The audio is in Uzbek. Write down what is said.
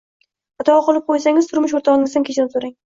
Xato qilib qo‘ysangiz, turmush o‘rtog‘ingizdan kechirim so‘rang.